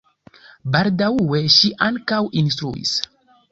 Baldaŭe ŝi ankaŭ instruis.